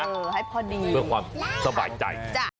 เออให้พอดีเพื่อความสบายใจจ้ะ